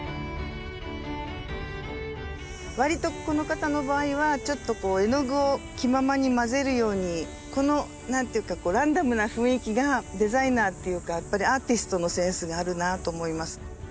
わりとこの方の場合はちょっと絵の具を気ままに混ぜるようにこの何ていうかランダムな雰囲気がデザイナーっていうかやっぱりアーティストのセンスがあるなと思います。